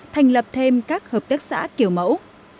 thành lập thêm các hợp tác xã kiểu mẫu